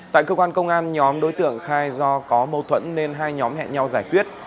tại cơ quan công an nhóm đối tượng khai do có mâu thuẫn nên hai nhóm hẹn nhau giải quyết